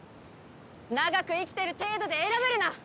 長く生きてる程度で偉ぶるな！